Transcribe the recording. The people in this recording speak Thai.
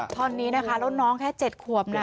ตอนนี้นะคะรถน้องแค่๗ขวบ